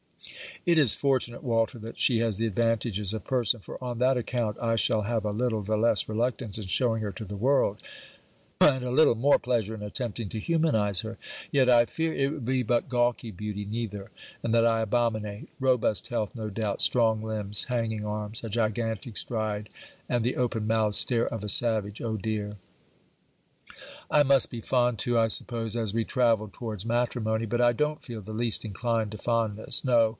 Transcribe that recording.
It is fortunate, Walter, that she has the advantages of person, for, on that account, I shall have a little the less reluctance in showing her to the world, and a little more pleasure in attempting to humanize her. Yet, I fear, it will be but gawky beauty neither, and that I abominate. Robust health, no doubt; strong limbs; hanging arms; a gigantic stride; and the open mouthed stare of a savage! Oh, dear! I must be fond too, I suppose, as we travel towards matrimony; but I don't feel the least inclined to fondness! No!